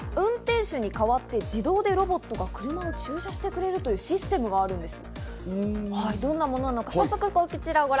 というのも今、運転手に代わって自動でロボットが車を駐車してくれるというシステムがあるんです。